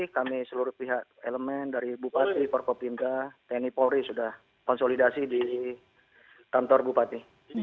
kami seluruh pihak elemen dari bupati forkopimda tni polri sudah konsolidasi di kantor bupati